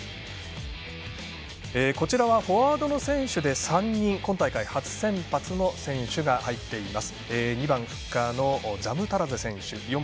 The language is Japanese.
こちらはフォワードの選手で、３人今大会、初先発の選手が入っています。